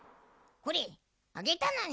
これあげたのに。